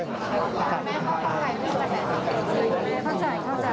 คุณแม่เขาเข้าใจคุณแม่เข้าใจ